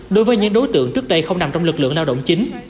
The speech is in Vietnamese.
đối với những đối tượng trước đây không nằm trong lực lượng lao động chính